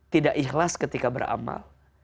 tidak ikhlas ketika beramal